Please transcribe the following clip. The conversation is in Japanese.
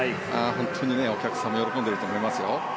本当にお客さんも喜んでいると思いますよ。